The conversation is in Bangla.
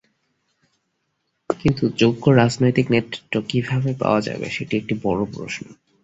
কিন্তু যোগ্য রাজনৈতিক নেতৃত্ব কীভাবে পাওয়া যাবে, সেটি একটি বড় প্রশ্ন।